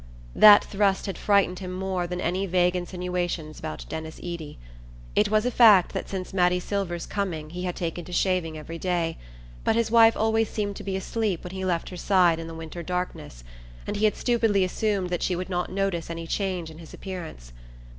That thrust had frightened him more than any vague insinuations about Denis Eady. It was a fact that since Mattie Silver's coming he had taken to shaving every day; but his wife always seemed to be asleep when he left her side in the winter darkness, and he had stupidly assumed that she would not notice any change in his appearance.